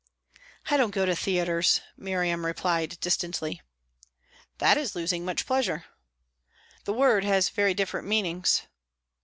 "I don't go to theatres," Miriam replied distantly. "That is losing much pleasure." "The word has very different meanings."